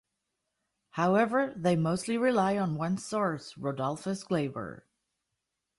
However they mostly rely on one source, Rodulfus Glaber.